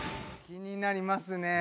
気になりますね